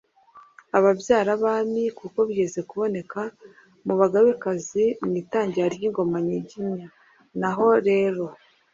ababyara-abami, kuko bigeze kubonekamo abagabekazi mu itangira ry’ingoma nyiginya. naho rero